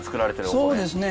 そうですね。